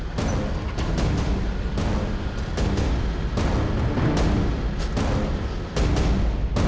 ya udah kita pak ya